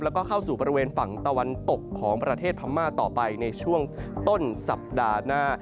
แล้วก็เข้าสู่บริเวณฝั่งตะวันตกของประเทศพม่าต่อไปในช่วงต้นสัปดาห์หน้า